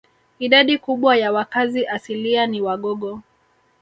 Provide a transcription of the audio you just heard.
Idadi kubwa ya wakazi asilia ni Wagogo